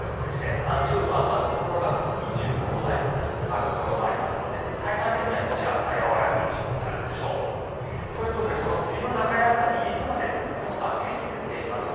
３０度あったところが２５度台と下がるところもありますので体感的には少し暑さが和らぐ印象となるでしょう。ということでこの梅雨の中休みいつまで続くのか天気図を見ていきます。